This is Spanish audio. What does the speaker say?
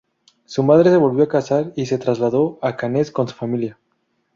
Su madre se volvió a casar y se trasladó a Cannes con su familia.